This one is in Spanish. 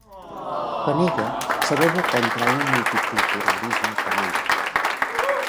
Con ello, se vuelve contra un multiculturalismo romántico.